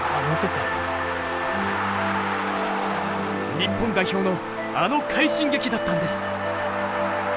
日本代表のあの快進撃だったんです。